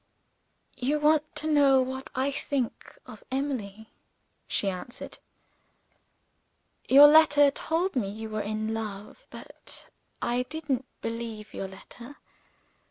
"You want to know what I think of Emily," she answered. "Your letter told me you were in love; but I didn't believe your letter.